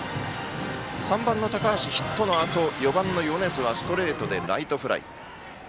３番の高橋、ヒットのあと４番の米津はストレートでライトフライ。